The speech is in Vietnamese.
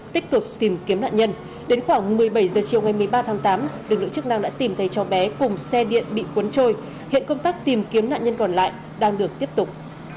từ chiều ngày một mươi ba tháng tám lực lượng chức năng đã tìm thấy cho bé cùng xe điện bị cuốn trôi hiện công tác tìm kiếm nạn nhân còn lại đang được tiếp tục